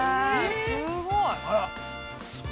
すごい。